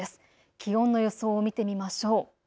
気温の予想を見てみましょう。